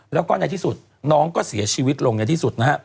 นางก็เสียชีวิตลงอย่างที่สุด